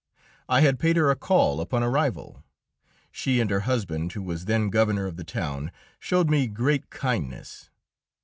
I had paid her a call upon arrival. She and her husband, who was then Governor of the town, showed me great kindness.